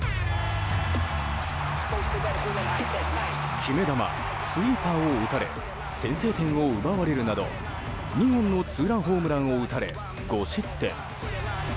決め球、スイーパーを打たれ先制点を奪われるなど２本のツーランホームランを打たれ５失点。